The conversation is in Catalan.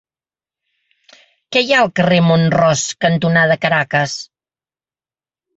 Què hi ha al carrer Mont-ros cantonada Caracas?